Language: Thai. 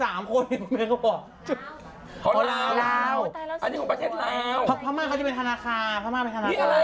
อันนี้ของประเทศลาวพม่าเขาจะไปธนาคานี่อะไรอ่ะอุ้ยนี่ก็สวยอุ้ยสวย